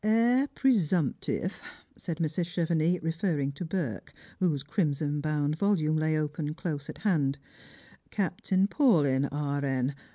"' Heir presumptive,' " said Mrs. Chevenix, referring to Burke, whose crimson bound volume lay open close at hand, "' Cap tain Paulyn, E.N.